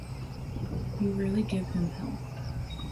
You really gave him Hell.